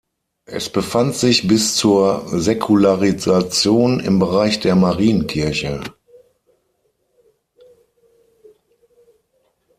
Es befand sich bis zur Säkularisation im Bereich der Marienkirche.